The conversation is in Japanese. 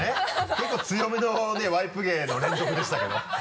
結構強めのねワイプ芸の連続でしたけど